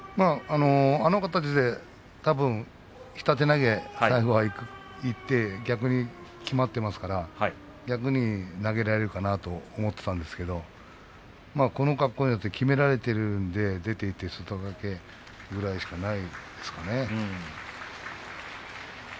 あの形でたぶん下手投げ、最後はいって逆にきまっていますから逆に投げられるかなと思っていたんですけれどもこの格好によってきめられているので出ていって外掛けぐらいしかないですかね。